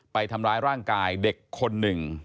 ไปทำร้ายร่างกายเด็กคนหนึ่ง